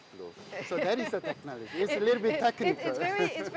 dengan solusi diesel tambahan yang dikatakan adblue